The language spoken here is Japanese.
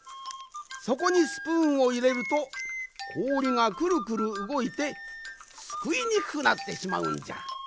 そこにスプーンをいれるとこおりがくるくるうごいてすくいにくくなってしまうんじゃ。